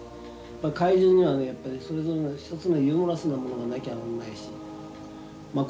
怪獣にはねそれぞれの一つのユーモラスなものがなきゃなんないしまあ